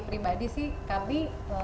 pribadi sih kami